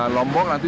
lombok kemana pak